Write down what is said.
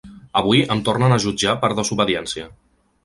Avui em tornen a jutjar per desobediència.